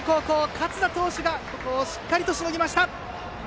勝田投手がしっかりとしのぎました。